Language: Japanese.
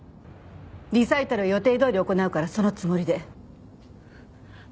リサイタルは予定どおり行うからそのつもりで。